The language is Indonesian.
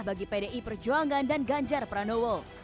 bagi pdi perjuangan dan ganjar pranowo